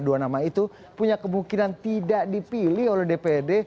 dua nama itu punya kemungkinan tidak dipilih oleh dprd